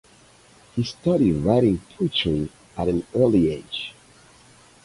He started writing poetry at an early age.